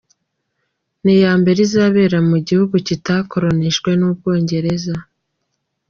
Ni iya mbere izabera mu gihugu kitakolonijwe n’u Bwongereza.